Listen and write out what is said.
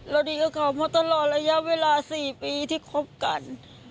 ดีกับเขามาตลอดระยะเวลา๔ปีที่คบกัน